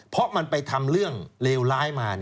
เพราะมันไปทำเรื่องเลวร้ายมา